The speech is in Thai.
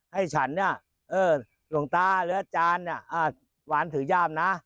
ให้ฉันเนี่ยหลวงตาหรืออาจารย์หวานถือย่ามนะ